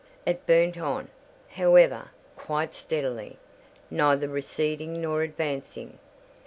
It burnt on, however, quite steadily, neither receding nor advancing.